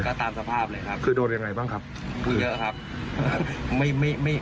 ก็ตามสภาพเลยครับคือโดนยังไงบ้างครับเยอะครับไม่ไม่ไม่